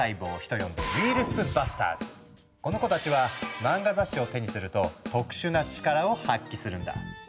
人呼んでこの子たちは漫画雑誌を手にすると特殊な力を発揮するんだ。